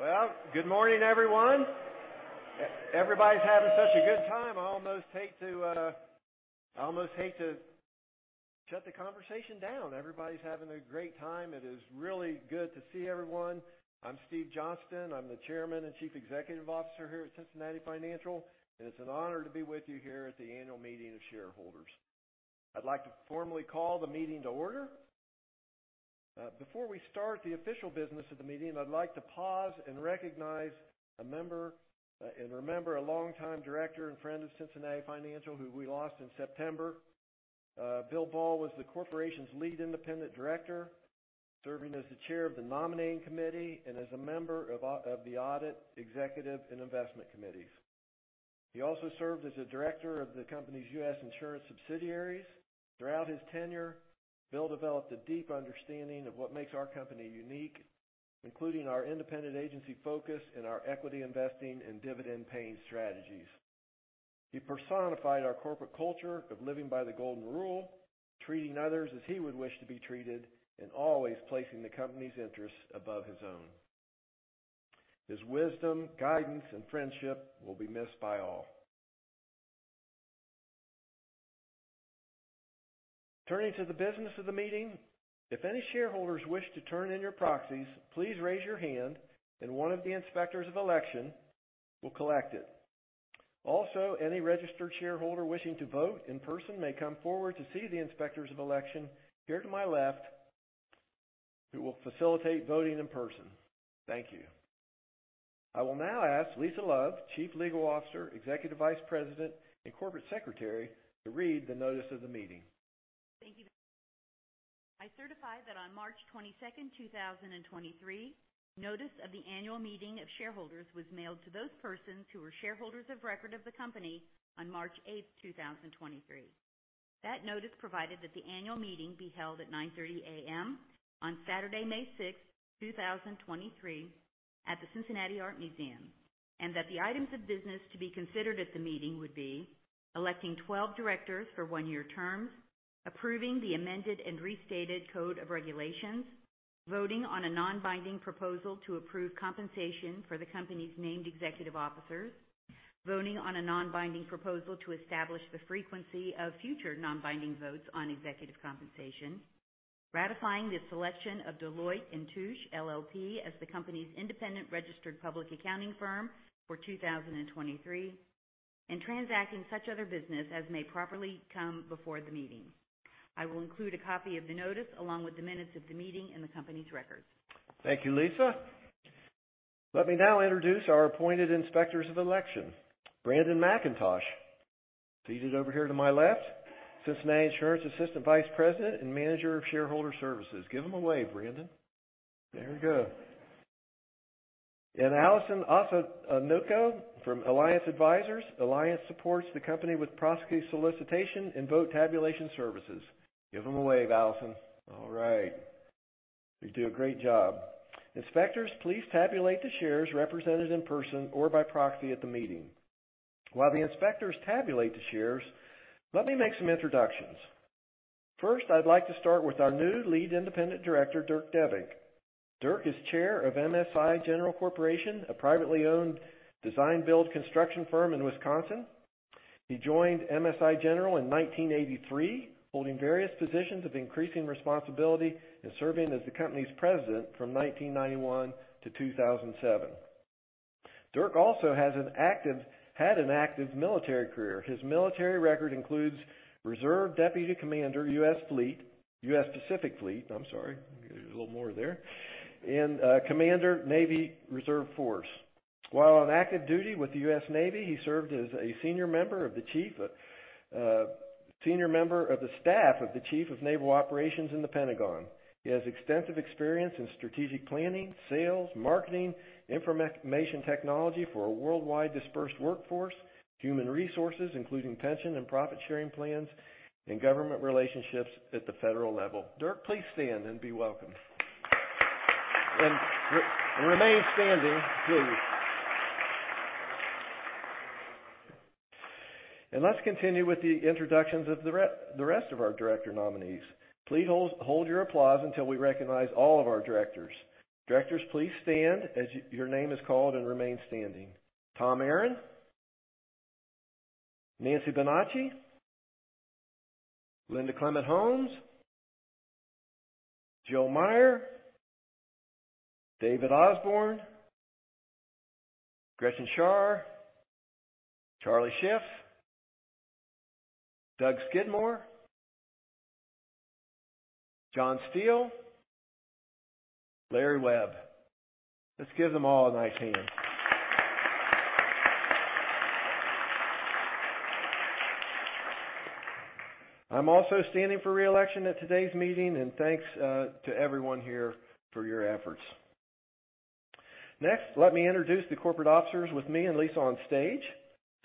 Well, good morning, everyone. Everybody's having such a good time. I almost hate to shut the conversation down. Everybody's having a great time. It is really good to see everyone. I'm Steve Johnston. I'm the Chairman and Chief Executive Officer here at Cincinnati Financial. It's an honor to be with you here at the annual meeting of shareholders. I'd like to formally call the meeting to order. Before we start the official business of the meeting, I'd like to pause and recognize a member and remember a longtime director and friend of Cincinnati Financial who we lost in September. William F. Bahl was the corporation's Lead Independent Director, serving as the Chair of the Nominating Committee and as a member of the Audit, Executive and Investment Committees. He also served as a director of the company's U.S. insurance subsidiaries. Throughout his tenure, Bill developed a deep understanding of what makes our company unique, including our independent agency focus and our equity investing and dividend paying strategies. He personified our corporate culture of living by the Golden Rule, treating others as he would wish to be treated, and always placing the company's interests above his own. His wisdom, guidance, and friendship will be missed by all. Turning to the business of the meeting, if any shareholders wish to turn in your proxies, please raise your hand, and one of the inspectors of election will collect it. Any registered shareholder wishing to vote in person may come forward to see the inspectors of election here to my left, who will facilitate voting in person. Thank you. I will now ask Lisa Love, Chief Legal Officer, Executive Vice President, and Corporate Secretary, to read the notice of the meeting. Thank you. I certify that on March 22, 2023, notice of the Annual Meeting of Shareholders was mailed to those persons who were shareholders of record of the company on March 8, 2023. That notice provided that the annual meeting be held at 9:30 A.M. on Saturday, May sixth, 2023, at the Cincinnati Art Museum, and that the items of business to be considered at the meeting would be electing 12 directors for one-year terms, approving the amended and restated Code of Regulations, voting on a non-binding proposal to approve compensation for the company's named executive officers, voting on a non-binding proposal to establish the frequency of future non-binding votes on executive compensation, ratifying the selection of Deloitte & Touche LLP as the company's independent registered public accounting firm for 2023, and transacting such other business as may properly come before the meeting. I will include a copy of the notice along with the minutes of the meeting in the company's records. Thank you, Lisa. Let me now introduce our appointed inspectors of election. Brandon McIntosh, seated over here to my left, Cincinnati Insurance Assistant Vice President and Manager of Shareholder Services. Give them a wave, Brandon. There we go. Allison Osaneko from Alliance Advisors. Alliance supports the company with proxy solicitation and vote tabulation services. Give them a wave, Allison. All right. They do a great job. Inspectors, please tabulate the shares represented in person or by proxy at the meeting. While the inspectors tabulate the shares, let me make some introductions. First, I'd like to start with our new Lead Independent Director, Dirk Debbink. Dirk is Chair of MSI General Corporation, a privately owned design-build construction firm in Wisconsin. He joined MSI General in 1983, holding various positions of increasing responsibility and serving as the company's President from 1991 to 2007. Dirk also had an active military career. His military record includes Reserve Deputy Commander, U.S. Pacific Fleet. I'm sorry, there's a little more there. Commander, Navy Reserve Force. While on active duty with the U.S. Navy, he served as a senior member of the staff of the Chief of Naval Operations in the Pentagon. He has extensive experience in strategic planning, sales, marketing, information technology for a worldwide dispersed workforce, human resources, including pension and profit-sharing plans, and government relationships at the federal level. Dirk, please stand and be welcomed. Remain standing, please. Let's continue with the introductions of the rest of our director nominees. Please hold your applause until we recognize all of our directors. Directors, please stand as your name is called and remain standing. Tom Aron. Nancy Benacci. Linda Clement Holmes. Joe Meyer. David Osborn. Gretchen Schar. Charlie Schiff. Doug Skidmore. John Steele. Larry Webb. Let's give them all a nice hand. I'm also standing for reelection at today's meeting. Thanks to everyone here for your efforts. Next, let me introduce the corporate officers with me and Lisa on stage.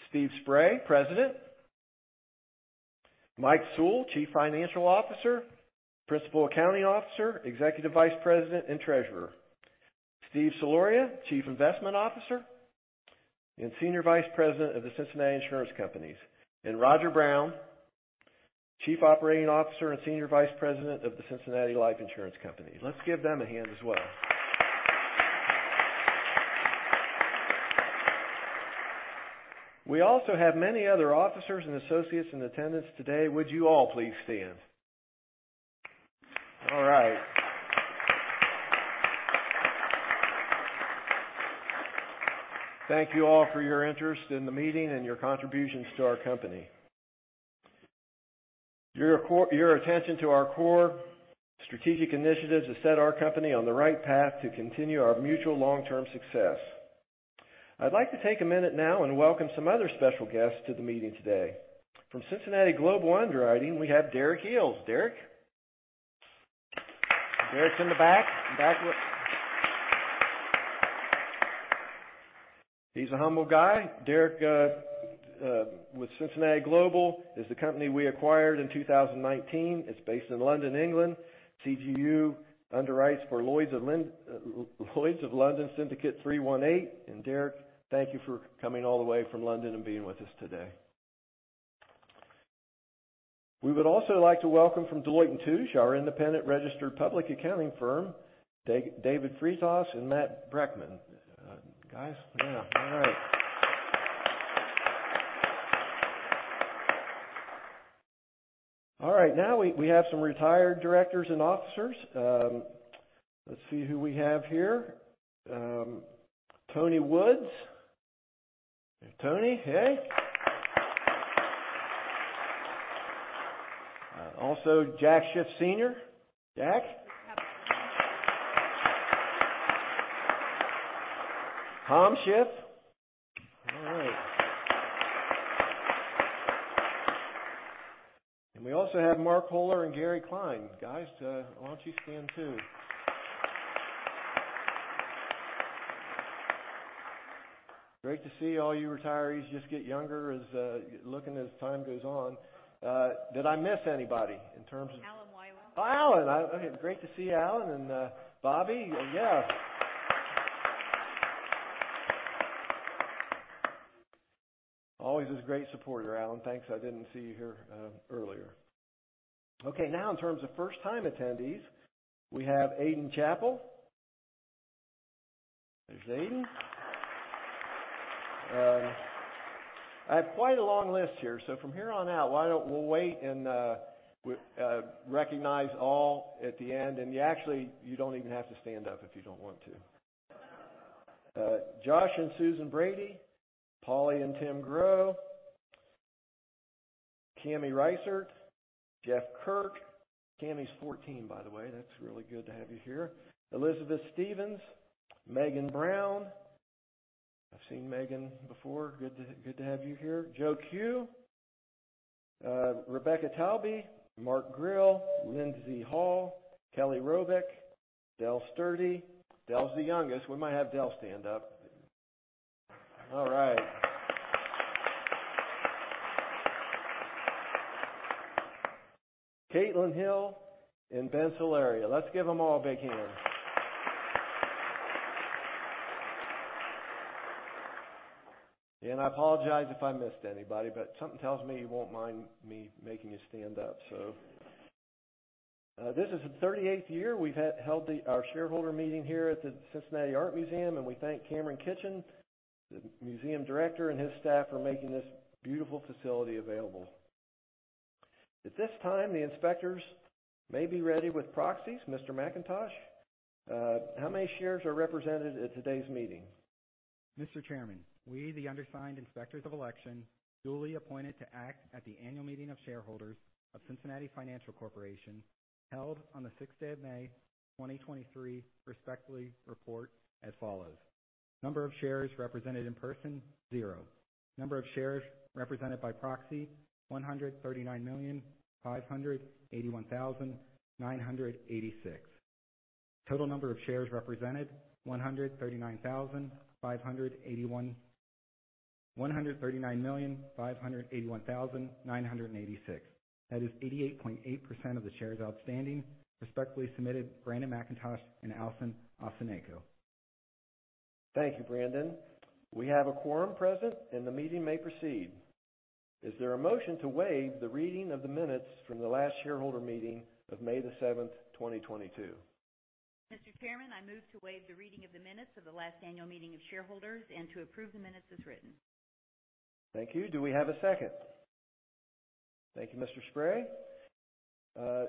Steve Spray, President. Mike Sewell, Chief Financial Officer, Principal Accounting Officer, Executive Vice President, and Treasurer. Steve Soloria, Chief Investment Officer and Senior Vice President of The Cincinnati Insurance Companies. Roger Brown. Chief Operating Officer and Senior Vice President of The Cincinnati Life Insurance Company. Let's give them a hand as well. We also have many other officers and associates in attendance today. Would you all please stand? All right. Thank you all for your interest in the meeting and your contributions to our company. Your attention to our core strategic initiatives has set our company on the right path to continue our mutual long-term success. I'd like to take a minute now and welcome some other special guests to the meeting today. From Cincinnati Global Underwriting, we have Derek Eales. Derek? Derek's in the back. He's a humble guy. Derek with Cincinnati Global is the company we acquired in 2019. It's based in London, England. CGU underwrites for Lloyd's of London Syndicate 318. Derek, thank you for coming all the way from London and being with us today. We would also like to welcome from Deloitte & Touche, our independent registered public accounting firm, David Freytas and Matt Breckman. Guys, yeah. All right. All right. Now we have some retired directors and officers. Let's see who we have here. Tony Woods. Tony, hey. Also Jack Schiff Sr. Jack? Tom Schiff. All right. We also have Mark Kohler and Gary Klein. Guys, why don't you stand, too? Great to see all you retirees just get younger as looking as time goes on. Did I miss anybody in terms of. Alan Wile. Alan. Okay, great to see Alan and Bobby. Always is a great supporter, Alan. Thanks. I didn't see you here earlier. In terms of first-time attendees, we have Aidan Chappell. There's Aiden. I have quite a long list here. From here on out, why don't we'll wait and recognize all at the end. You actually, you don't even have to stand up if you don't want to. Josh and Susan Brady, Polly and Tim Groh, Cami Reisert, Jeff Kirk. Cami's 14, by the way. That's really good to have you here. Elizabeth Stephens, Megan Brown. I've seen Megan before. Good to have you here. Joe Chu, Rebecca Taube, Mark Grill, Lindsay Hall, Kelly Robeck, Dale Sturdy. Dale's the youngest. We might have Dale stand up. Caitlin Hill and Ben Soloria. Let's give them all a big hand. I apologize if I missed anybody, but something tells me you won't mind me making you stand up, so. This is the 38th year we've held our shareholder meeting here at the Cincinnati Art Museum, and we thank Cameron Kitchin, the museum director, and his staff for making this beautiful facility available. At this time, the inspectors may be ready with proxies. Mr. McIntosh, how many shares are represented at today's meeting? Mr. Chairman, we, the undersigned inspectors of election, duly appointed to act at the annual meeting of shareholders of Cincinnati Financial Corporation, held on the 6th day of May, 2023, respectfully report as follows: number of shares represented in person, zero. Number of shares represented by proxy, 139,581,986. Total number of shares represented, 139,581,986. That is 88.8% of the shares outstanding. Respectfully submitted, Brandon McIntosh and Allison Osaneko. Thank you, Brandon. We have a quorum present, and the meeting may proceed. Is there a motion to waive the reading of the minutes from the last shareholder meeting of May the seventh, 2022? Mr. Chairman, I move to waive the reading of the minutes of the last annual meeting of shareholders and to approve the minutes as written. Thank you. Do we have a second? Thank you, Mr. Spray.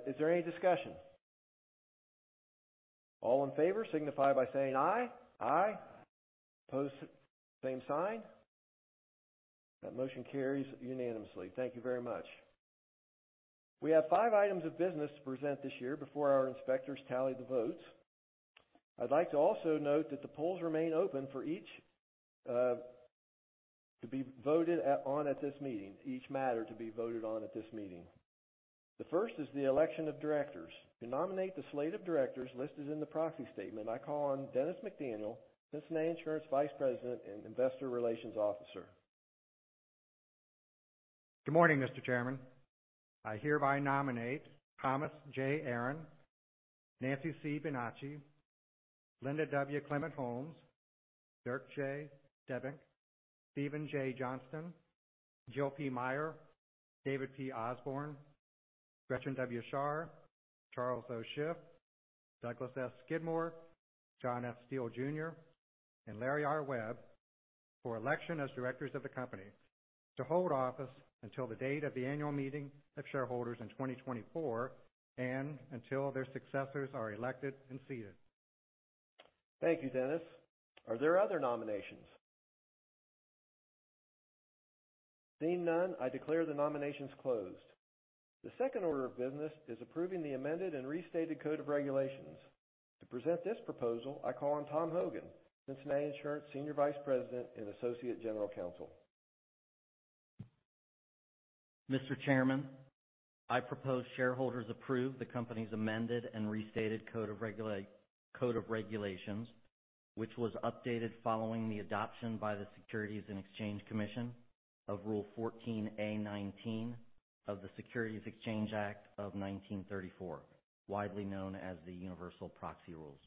Is there any discussion? All in favor signify by saying aye. Aye. Opposed, same sign. That motion carries unanimously. Thank you very much. We have five items of business to present this year before our inspectors tally the votes. I'd like to also note that the polls remain open for each matter to be voted on at this meeting. The 1st is the election of directors. To nominate the slate of directors listed in the proxy statement, I call on Dennis McDaniel, Cincinnati Insurance Vice President and Investor Relations Officer. Good morning, Mr. Chairman. I hereby nominate Thomas J. Aaron, Nancy C. Benacci, Linda W. Clement-Holmes, Dirk J. Debbink, Steven J. Johnston, Jill P. Meyer, David P. Osborn, Gretchen W. Schar, Charles O. Schiff, Douglas S. Skidmore, John F. Steele Jr., and Larry R. Webb for election as directors of the company to hold office until the date of the Annual Meeting of Shareholders in 2024 and until their successors are elected and seated. Thank you, Dennis. Are there other nominations? Seeing none, I declare the nominations closed. The second order of business is approving the amended and restated Code of Regulations. To present this proposal, I call on Tom Hogan, Cincinnati Insurance Senior Vice President and Associate General Counsel. Mr. Chairman, I propose shareholders approve the company's amended and restated Code of Regulations, which was updated following the adoption by the Securities and Exchange Commission of Rule 14a-19 of the Securities Exchange Act of 1934, widely known as the Universal Proxy Rules.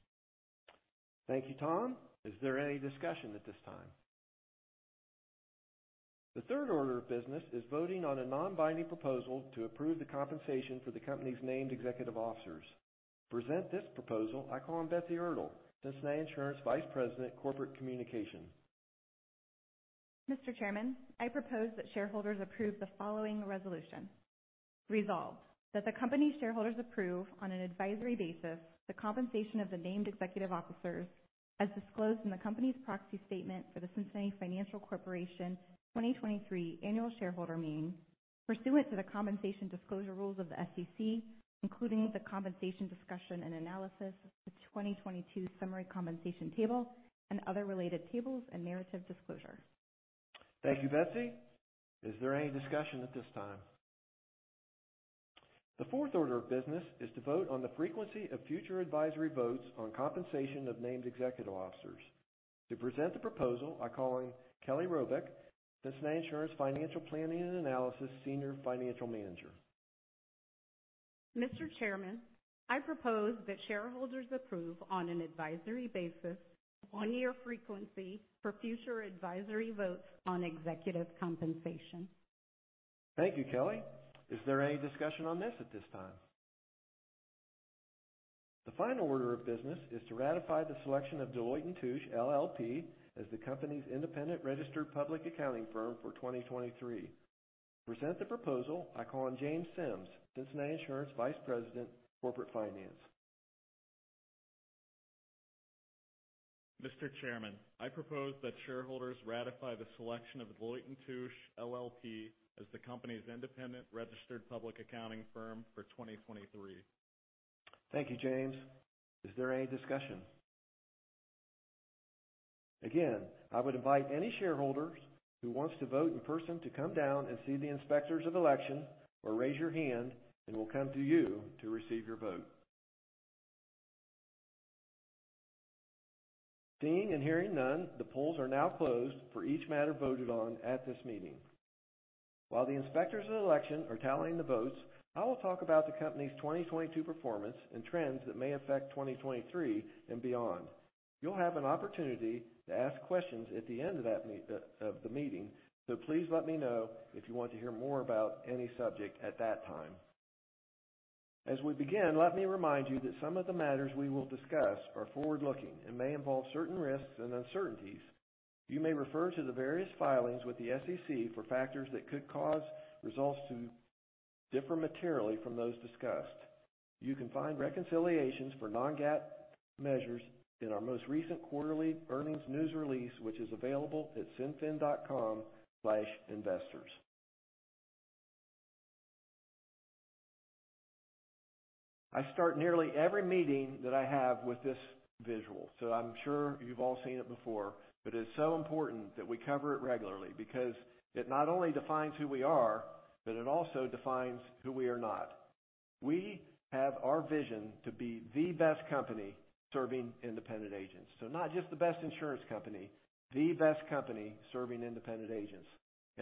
Thank you, Tom. Is there any discussion at this time? The third order of business is voting on a non-binding proposal to approve the compensation for the company's named executive officers. To present this proposal, I call on Betsy Ertel, Cincinnati Insurance Vice President, Corporate Communications. Mr. Chairman, I propose that shareholders approve the following resolution. Resolved, that the company's shareholders approve on an advisory basis the compensation of the named executive officers as disclosed in the company's proxy statement for the Cincinnati Financial Corporation 2023 Annual Shareholder Meeting pursuant to the compensation disclosure rules of the SEC, including the Compensation Discussion and Analysis of the 2022 Summary Compensation Table and other related tables and narrative disclosure. Thank you, Betsy. Is there any discussion at this time? The fourth order of business is to vote on the frequency of future advisory votes on compensation of named executive officers. To present the proposal, I call on Kelly Robeck, Cincinnati Insurance Financial Planning and Analysis, Senior Financial Manager. Mr. Chairman, I propose that shareholders approve on an advisory basis one-year frequency for future advisory votes on executive compensation. Thank you, Kelly. Is there any discussion on this at this time? The final order of business is to ratify the selection of Deloitte & Touche LLP as the company's independent registered public accounting firm for 2023. To present the proposal, I call on James Sims, Cincinnati Insurance Vice President, Corporate Finance. Mr. Chairman, I propose that shareholders ratify the selection of Deloitte & Touche LLP as the company's independent registered public accounting firm for 2023. Thank you, James. Is there any discussion? I would invite any shareholder who wants to vote in person to come down and see the inspectors of election or raise your hand, and we'll come to you to receive your vote. Seeing and hearing none, the polls are now closed for each matter voted on at this meeting. While the inspectors of election are tallying the votes, I will talk about the company's 2022 performance and trends that may affect 2023 and beyond. You'll have an opportunity to ask questions at the end of the meeting, please let me know if you want to hear more about any subject at that time. As we begin, let me remind you that some of the matters we will discuss are forward-looking and may involve certain risks and uncertainties. You may refer to the various filings with the SEC for factors that could cause results to differ materially from those discussed. You can find reconciliations for non-GAAP measures in our most recent quarterly earnings news release, which is available at cinfin.com/investors. I start nearly every meeting that I have with this visual. I'm sure you've all seen it before. It's so important that we cover it regularly because it not only defines who we are, but it also defines who we are not. We have our vision to be the best company serving independent agents. Not just the best insurance company, the best company serving independent agents.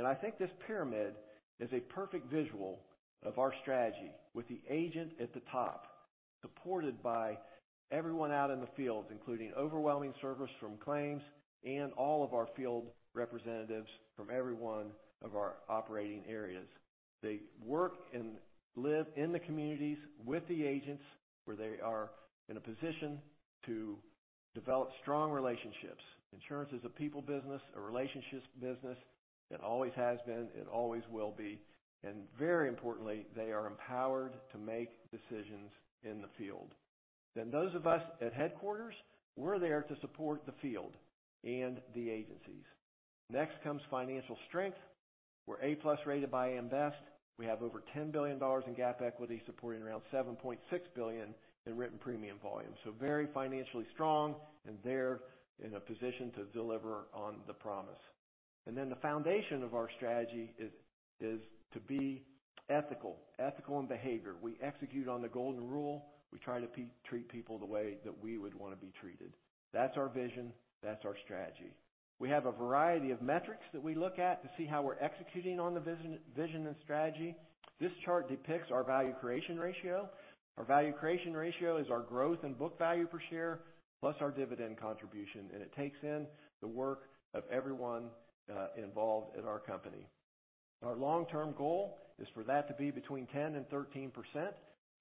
I think this pyramid is a perfect visual of our strategy with the agent at the top, supported by everyone out in the field, including overwhelming service from claims and all of our field representatives from every one of our operating areas. They work and live in the communities with the agents, where they are in a position to develop strong relationships. Insurance is a people business, a relationships business. It always has been, it always will be. Very importantly, they are empowered to make decisions in the field. Those of us at headquarters, we're there to support the field and the agencies. Next comes financial strength. We're A+ rated by AM Best. We have over $10 billion in GAAP equity, supporting around $7.6 billion in written premium volume. Very financially strong and there in a position to deliver on the promise. Then the foundation of our strategy is to be ethical in behavior. We execute on the golden rule. We try to treat people the way that we would wanna be treated. That's our vision. That's our strategy. We have a variety of metrics that we look at to see how we're executing on the vision and strategy. This chart depicts our value creation ratio. Our value creation ratio is our growth in book value per share, plus our dividend contribution. It takes in the work of everyone involved at our company. Our long-term goal is for that to be between 10% and 13%.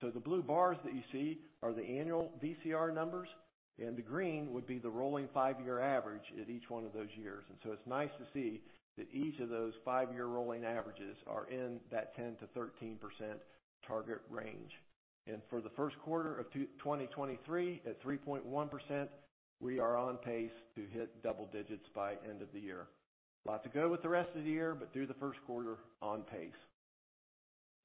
The blue bars that you see are the annual VCR numbers, and the green would be the rolling five-year average at each one of those years. It's nice to see that each of those five-year rolling averages are in that 10%-13% target range. For the first quarter of 2023, at 3.1%, we are on pace to hit double digits by end of the year. Lot to go with the rest of the year, but through the first quarter, on pace.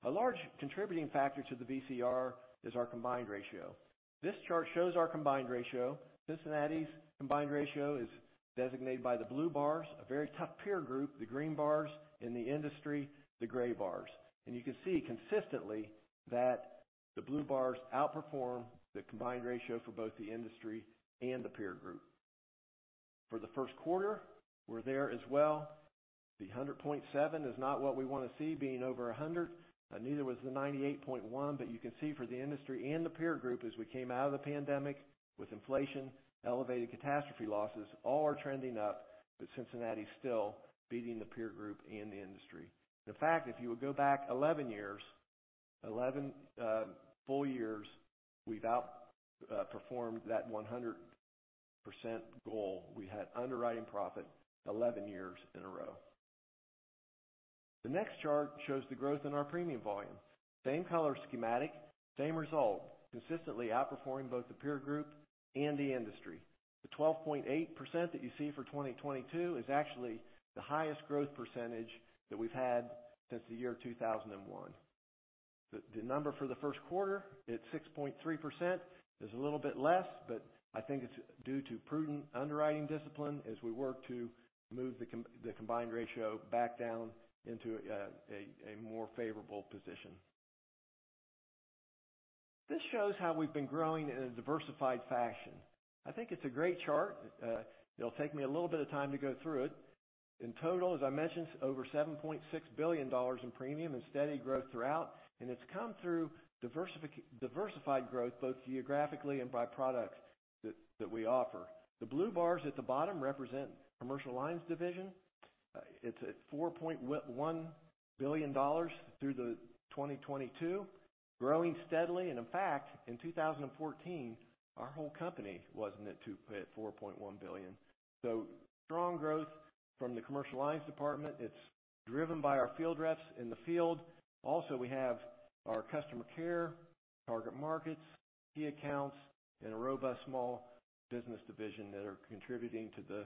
A large contributing factor to the VCR is our combined ratio. This chart shows our combined ratio. Cincinnati's combined ratio is designated by the blue bars. A very tough peer group, the green bars. In the industry, the gray bars. You can see consistently that the blue bars outperform the combined ratio for both the industry and the peer group. For the first quarter, we're there as well. The 100.7 is not what we wanna see, being over 100. Neither was the 98.1%. You can see for the industry and the peer group, as we came out of the pandemic, with inflation, elevated catastrophe losses, all are trending up, but Cincinnati is still beating the peer group and the industry. In fact, if you would go back 11 years, 11 full years, we've outperformed that 100% goal. We had underwriting profit 11 years in a row. The next chart shows the growth in our premium volume. Same color schematic, same result. Consistently outperforming both the peer group and the industry. The 12.8% that you see for 2022 is actually the highest growth percentage that we've had since the year 2001. The number for the first quarter at 6.3% is a little bit less, but I think it's due to prudent underwriting discipline as we work to move the combined ratio back down into a more favorable position. This shows how we've been growing in a diversified fashion. I think it's a great chart. It'll take me a little bit of time to go through it. In total, as I mentioned, over $7.6 billion in premium and steady growth throughout, and it's come through diversified growth, both geographically and by products that we offer. The blue bars at the bottom represent Commercial Lines division. It's at $4.1 billion through 2022, growing steadily. In fact, in 2014, our whole company wasn't at $4.1 billion. Strong growth from the Commercial Lines department. It's driven by our field reps in the field. We have our customer care, target markets, key accounts, and a robust small business division that are contributing to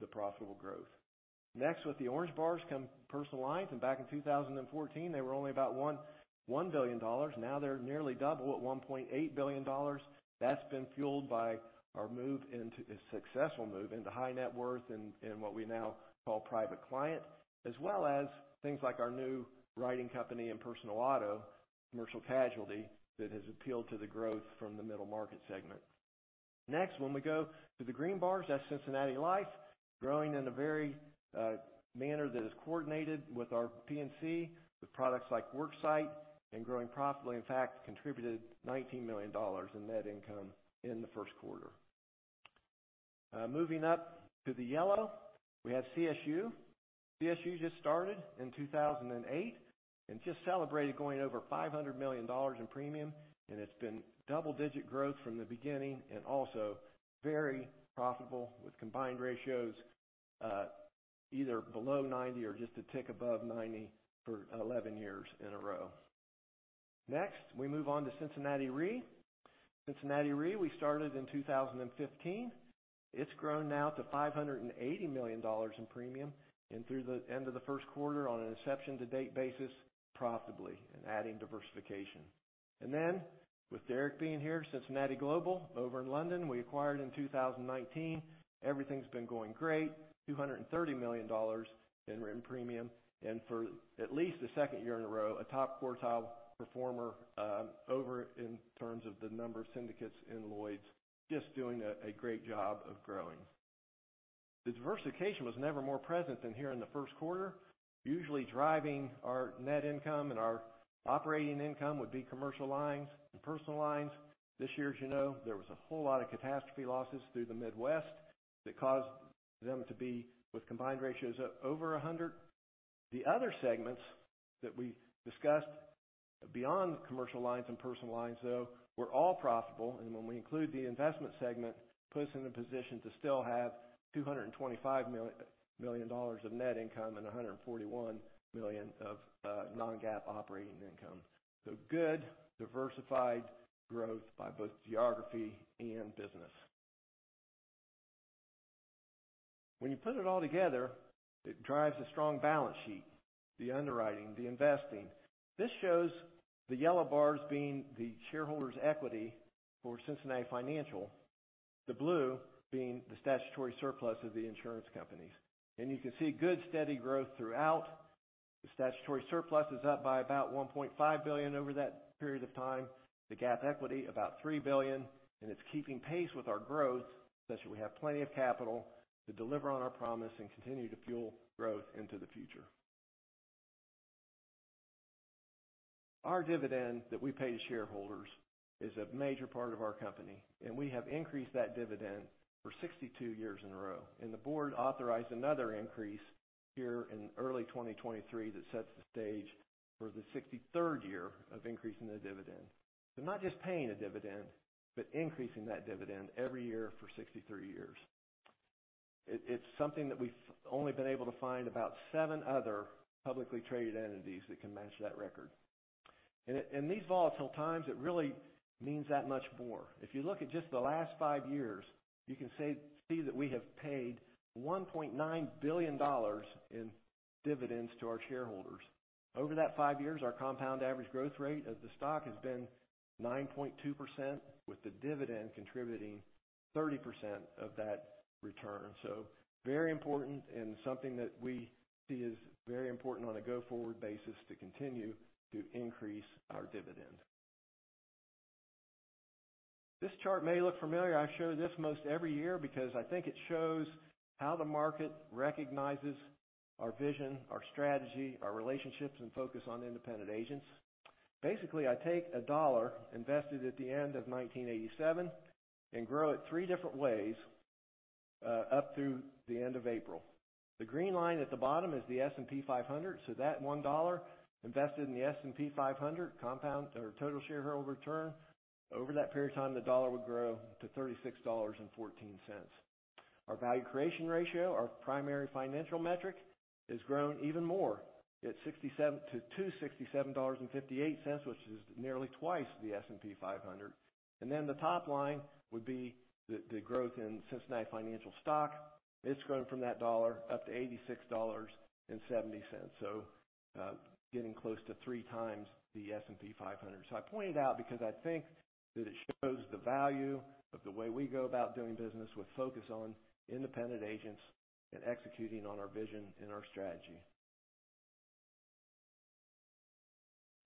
the profitable growth. With the orange bars come Personal Lines, back in 2014, they were only about $1 billion. They're nearly double at $1.8 billion. That's been fueled by our successful move into high net worth and what we now call private client, as well as things like our new writing company and personal auto, commercial casualty that has appealed to the growth from the middle market segment. Next, when we go to the green bars, that's Cincinnati Life, growing in a very manner that is coordinated with our P&C, with products like Worksite, and growing profitably, in fact, contributed $19 million in net income in the first quarter. Moving up to the yellow, we have CSU. CSU just started in 2008 and just celebrated going over $500 million in premium, and it's been double-digit growth from the beginning and also very profitable with combined ratios, either below 90 or just a tick above 90 for 11 years in a row. Next, we move on to Cincinnati Re. Cincinnati Re, we started in 2015. It's grown now to $580 million in premium, and through the end of the first quarter, on an inception-to-date basis, profitably and adding diversification. With Derek being here, Cincinnati Global over in London, we acquired in 2019. Everything's been going great. $230 million in written premium. For at least the second year in a row, a top quartile performer, over in terms of the number of syndicates in Lloyd's, just doing a great job of growing. The diversification was never more present than here in the first quarter. Usually driving our net income and our operating income would be Commercial Lines and Personal Lines. This year, as you know, there was a whole lot of catastrophe losses through the Midwest that caused them to be with combined ratios over 100. The other segments that we discussed beyond Commercial Lines and Personal Lines, though, were all profitable, and when we include the investment segment, puts us in a position to still have $225 million of net income and $141 million of non-GAAP operating income. Good, diversified growth by both geography and business. When you put it all together, it drives a strong balance sheet, the underwriting, the investing. This shows the yellow bars being the shareholders' equity for Cincinnati Financial, the blue being the statutory surplus of the insurance companies. You can see good, steady growth throughout. The statutory surplus is up by about $1.5 billion over that period of time, the GAAP equity about $3 billion, and it's keeping pace with our growth, such that we have plenty of capital to deliver on our promise and continue to fuel growth into the future. Our dividend that we pay to shareholders is a major part of our company, and we have increased that dividend for 62 years in a row. The board authorized another increase here in early 2023 that sets the stage for the 63rd year of increasing the dividend. Not just paying a dividend, but increasing that dividend every year for 63 years. It's something that we've only been able to find about seven other publicly traded entities that can match that record. In these volatile times, it really means that much more. If you look at just the last five years, you can see that we have paid $1.9 billion in dividends to our shareholders. Over that five years, our compound average growth rate of the stock has been 9.2%, with the dividend contributing 30% of that return. Very important and something that we see as very important on a go-forward basis to continue to increase our dividend. This chart may look familiar. I show this most every year because I think it shows how the market recognizes our vision, our strategy, our relationships, and focus on independent agents. Basically, I take a dollar invested at the end of 1987 and grow it three different ways, up through the end of April. The green line at the bottom is the S&P 500. That $1 invested in the S&P 500 compound or total shareholder return. Over that period of time, the dollar would grow to $36.14. Our value creation ratio, our primary financial metric, has grown even more at $267.58, which is nearly twice the S&P 500. The top line would be the growth in Cincinnati Financial stock. It's grown from that dollar up to $86.70. Getting close to 3x the S&P 500. I pointed out because I think that it shows the value of the way we go about doing business with focus on independent agents and executing on our vision and our strategy.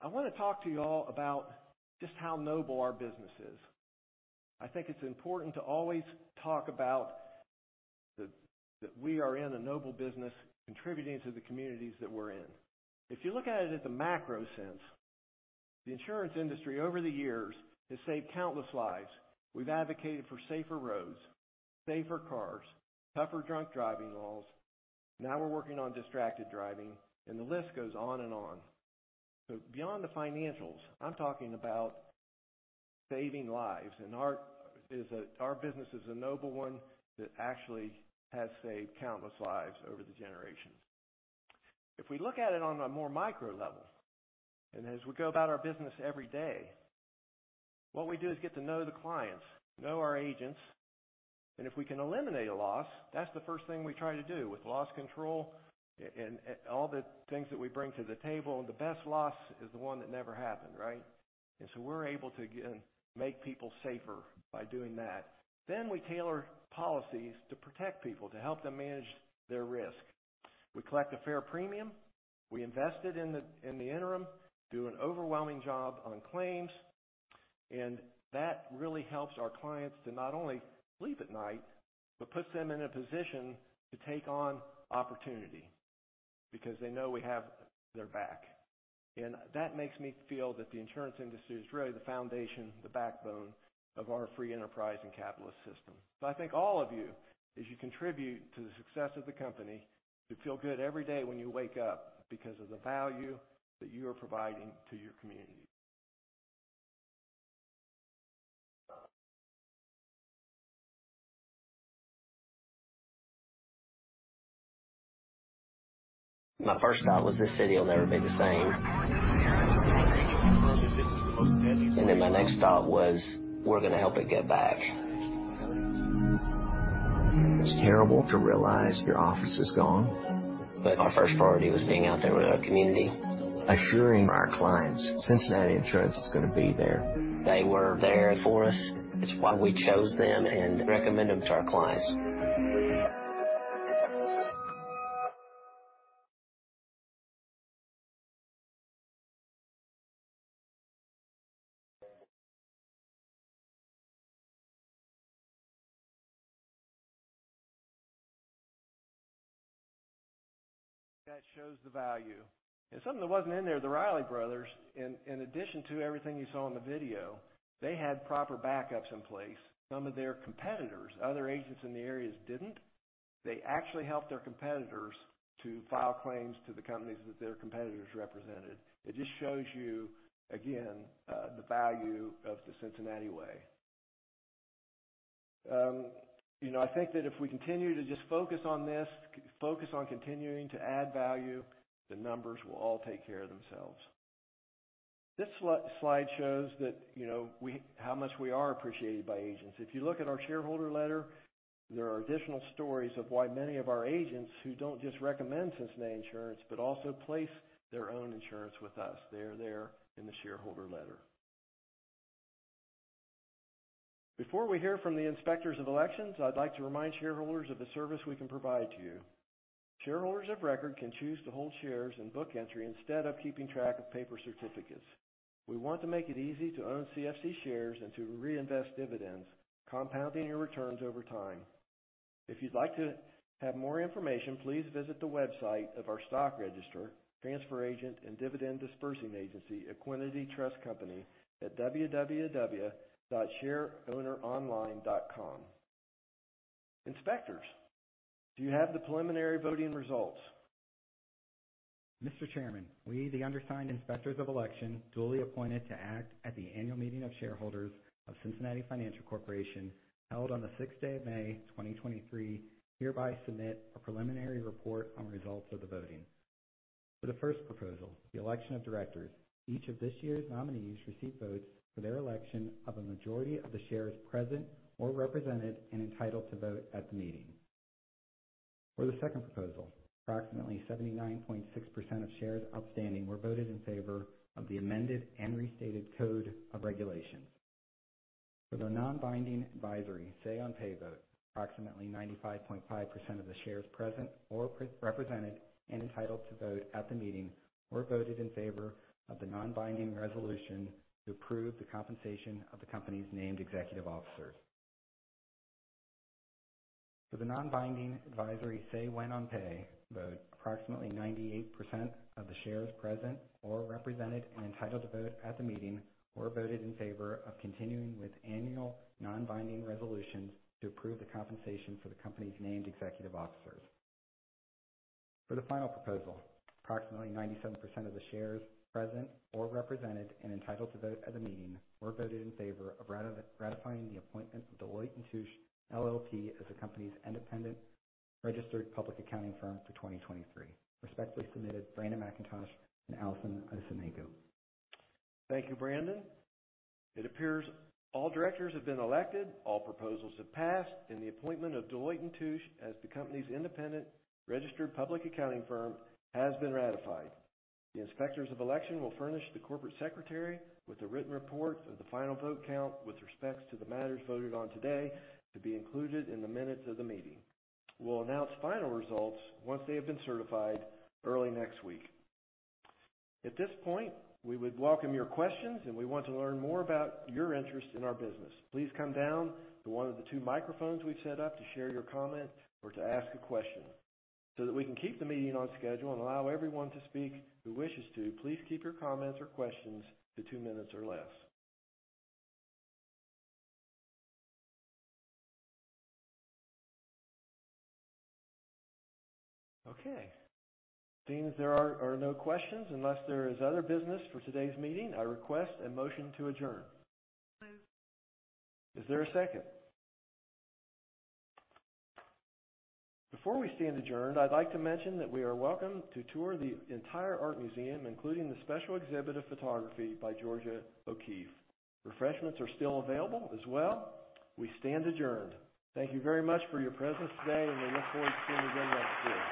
I want to talk to you all about just how noble our business is. I think it's important to always talk about that we are in a noble business contributing to the communities that we're in. If you look at it at the macro sense, the insurance industry over the years has saved countless lives. We've advocated for safer roads, safer cars, tougher drunk driving laws. Now we're working on distracted driving, and the list goes on and on. Beyond the financials, I'm talking about saving lives. Our business is a noble one that actually has saved countless lives over the generations. If we look at it on a more micro level, as we go about our business every day, what we do is get to know the clients, know our agents, and if we can eliminate a loss, that's the first thing we try to do with loss control and all the things that we bring to the table. The best loss is the one that never happened, right? So we're able to, again, make people safer by doing that. We tailor policies to protect people, to help them manage their risk. We collect a fair premium. We invest it in the interim, do an overwhelming job on claims. That really helps our clients to not only sleep at night, but puts them in a position to take on opportunity because they know we have their back. That makes me feel that the insurance industry is really the foundation, the backbone of our free enterprise and capitalist system. I think all of you, as you contribute to the success of the company, you feel good every day when you wake up because of the value that you are providing to your community. My first thought was this city will never be the same. I can confirm that this is the most deadly storm. My next thought was we're gonna help it get back. It's terrible to realize your office is gone. Our first priority was being out there with our community. Assuring our clients Cincinnati Insurance is gonna be there. They were there for us. It's why we chose them and recommend them to our clients. That shows the value. Something that wasn't in there, the Riley brothers, in addition to everything you saw in the video, they had proper backups in place. Some of their competitors, other agents in the areas didn't. They actually helped their competitors to file claims to the companies that their competitors represented. It just shows you, again, the value of the Cincinnati way. You know, I think that if we continue to just focus on this, focus on continuing to add value, the numbers will all take care of themselves. This slide shows that, you know, how much we are appreciated by agents. If you look at our shareholder letter, there are additional stories of why many of our agents who don't just recommend Cincinnati Insurance, but also place their own insurance with us. They are there in the shareholder letter. Before we hear from the Inspectors of Elections, I'd like to remind shareholders of the service we can provide to you. Shareholders of record can choose to hold shares and book entry instead of keeping track of paper certificates. We want to make it easy to own CFC shares and to reinvest dividends, compounding your returns over time. If you'd like to have more information, please visit the website of our stock register, transfer agent, and dividend disbursing agency, Equiniti Trust Company at www.shareowneronline.com. Inspectors, do you have the preliminary voting results? Mr. Chairman, we, the undersigned Inspectors of Elections, duly appointed to act at the annual meeting of shareholders of Cincinnati Financial Corporation, held on the 6th day of May, 2023, hereby submit a preliminary report on results of the voting. For the first proposal, the election of directors. Each of this year's nominees received votes for their election of a majority of the shares present or represented and entitled to vote at the meeting. For the second proposal, approximately 79.6% of shares outstanding were voted in favor of the amended and restated Code of Regulations. For the non-binding advisory Say-on-Pay vote, approximately 95.5% of the shares present or represented and entitled to vote at the meeting were voted in favor of the non-binding resolution to approve the compensation of the company's named executive officers. For the non-binding advisory Say-When-on-Pay vote, approximately 98% of the shares present or represented and entitled to vote at the meeting were voted in favor of continuing with annual non-binding resolutions to approve the compensation for the company's named executive officers. For the final proposal, approximately 97% of the shares present or represented and entitled to vote at the meeting were voted in favor of ratifying the appointment of Deloitte & Touche LLP as the company's independent registered public accounting firm for 2023. Respectfully submitted, Brandon McIntosh and Allison Osaneko. Thank you, Brandon. It appears all directors have been elected, all proposals have passed, and the appointment of Deloitte & Touche as the company's independent registered public accounting firm has been ratified. The Inspectors of Election will furnish the corporate secretary with a written report of the final vote count with respect to the matters voted on today to be included in the minutes of the meeting. We'll announce final results once they have been c ertified early next week. At this point, we would welcome your questions. We want to learn more about your interest in our business. Please come down to one of the two microphones we've set up to share your comment or to ask a question. That we can keep the meeting on schedule and allow everyone to speak who wishes to, please keep your comments or questions to two minutes or less. Okay, seeing as there are no questions, unless there is other business for today's meeting, I request a motion to adjourn. Is there a second? Before we stand adjourned, I'd like to mention that we are welcome to tour the entire art museum, including the special exhibit of photography by Georgia O'Keeffe. Refreshments are still available as well. We stand adjourned. Thank you very much for your presence today, and we look forward to seeing you again next year.